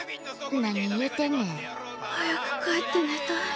何言うてんねん。早く帰って寝たい。